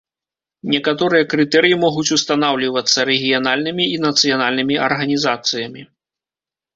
Некаторыя крытэрыі могуць устанаўлівацца рэгіянальнымі і нацыянальнымі арганізацыямі.